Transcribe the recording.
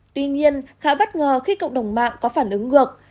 tuy nhiên khá bất ngờ khi cộng đồng mạng có phản ứng ngược